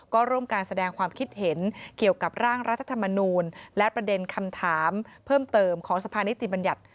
ก็ร่วมการแสดงความคิดเห็นเกี่ยวกับร่างรัฐธรรมนูลและประเด็นคำถามเพิ่มเติมของสภานิติบัญญัติ